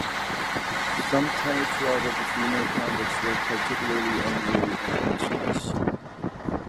Some ten or twelve of the female convicts were particularly unruly, and promiscuous.